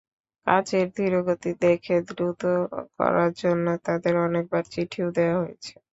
কাজের ধীরগতি দেখে দ্রুত করার জন্য তাদের অনেকবার চিঠিও দেওয়া হয়েছে।